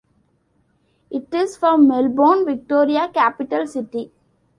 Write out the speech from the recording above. It is from Melbourne, Victoria's capital city.